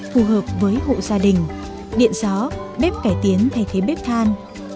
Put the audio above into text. phù hợp với hộ gia đình điện gió bếp cải tiến thay thế bếp than